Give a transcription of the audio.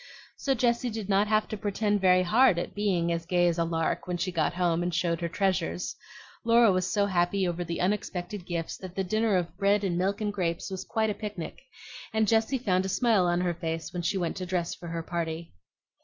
So Jessie did not have to pretend very hard at being "as gay as a lark" when she got home and showed her treasures. Laura was so happy over the unexpected gifts that the dinner of bread and milk and grapes was quite a picnic; and Jessie found a smile on her face when she went to dress for her party.